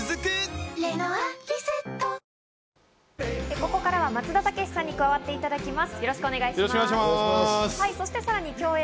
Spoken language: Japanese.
ここからは松田丈志さんに加わっていただきます。